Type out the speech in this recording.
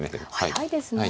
速いですね。